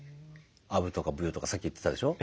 アブとかブヨとかさっき言ってたでしょ。